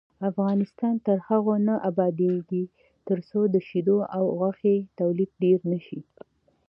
افغانستان تر هغو نه ابادیږي، ترڅو د شیدو او غوښې تولید ډیر نشي.